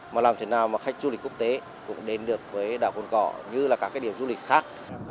mà làm thế nào mà khách du lịch quốc tế cũng đến được với đảo cồn cỏ như là các cái điểm du lịch khác